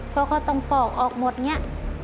เพราะเขาต้องปอกออกหมดนี่